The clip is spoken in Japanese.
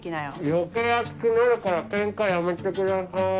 余計暑くなるからケンカやめてください。